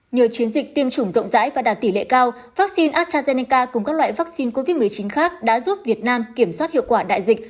nhờ chiến dịch tiêm chủng rộng rãi và đạt tỷ lệ cao vaccine astrazeneca cùng các loại vaccine covid một mươi chín khác đã giúp việt nam kiểm soát hiệu quả đại dịch